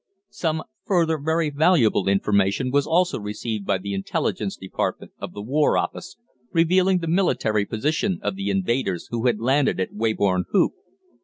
Some further very valuable information was also received by the Intelligence Department of the War Office, revealing the military position of the invaders who had landed at Weybourne Hoop.